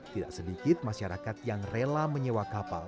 tidak sedikit masyarakat yang rela menyewa kapal